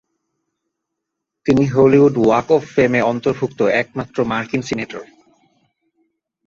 তিনি Hollywood walk of ফেমে অন্তর্ভুক্ত একমাত্র মার্কিন সিনেটর।